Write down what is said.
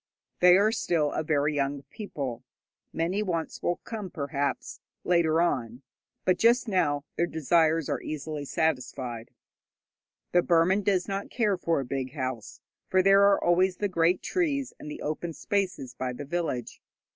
They are still a very young people. Many wants will come, perhaps, later on, but just now their desires are easily satisfied. The Burman does not care for a big house, for there are always the great trees and the open spaces by the village.